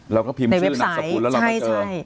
แล้วก็พิมพ์ชื่อนักสรรคุณแล้วเราก็เจอ